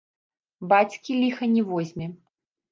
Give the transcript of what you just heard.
Бацькі ліха не возьме.